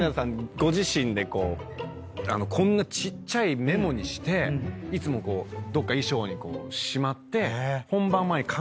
ご自身でこんなちっちゃいメモにしていつもどっか衣装にしまって。